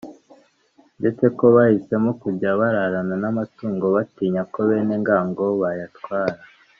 ndetse ko bahisemo kujya bararana n’amatungo batinya ko benengango bayatwara